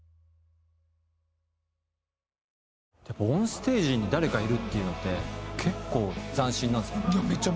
オンステージに誰かいるっていうのって結構斬新なんですよね。